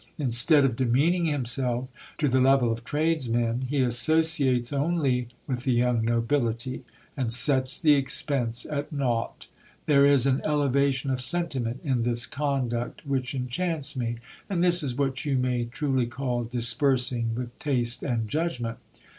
Instead of demeaning himself to the level of tradesmen, he associates only with the young nobility, and sets the expense at nought. There is an elevation of sentiment in this conduct which enchants me : and this is what you may truly call disbursing with taste and judgment.